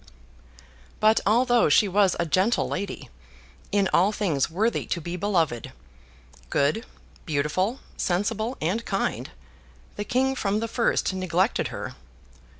But, although she was a gentle lady, in all things worthy to be beloved—good, beautiful, sensible, and kind—the King from the first neglected her.